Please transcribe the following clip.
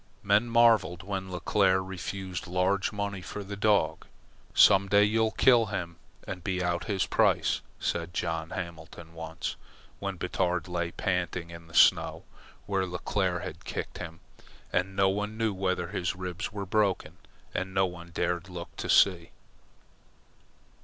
Men marvelled when Leclere refused large money for the dog. "Some day you'll kill him and be out his price," said John Hamlin once, when Batard lay panting in the snow where Leclere had kicked him, and no one knew whether his ribs were broken, and no one dared look to see.